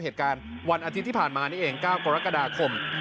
เหตุการณ์วันอาทิตย์ที่ผ่านมานี่เอง๙กรกฎาคม